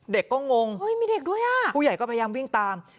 เด็กก็งงมีเด็กด้วยอ่ะผู้ใหญ่ก็พยายามวิ่งตาม